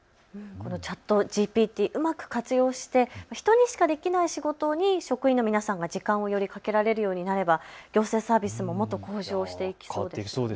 このＣｈａｔＧＰＴ、うまく活用して人にしかできない仕事に職員の皆さんが時間をよりかけられるようになれば行政サービスももっと向上していきそうですね。